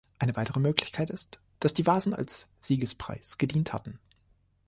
Eine weitere Möglichkeit ist, dass die Vasen als Siegespreis gedient hatten.